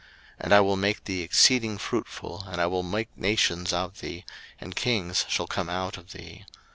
01:017:006 And I will make thee exceeding fruitful, and I will make nations of thee, and kings shall come out of thee.